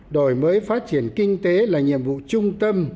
đổi mới phát triển kinh tế là nhiệm vụ trung tâm